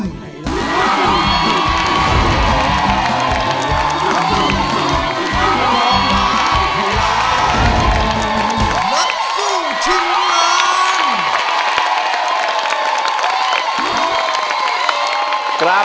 นัดสู้ชิ้นงาน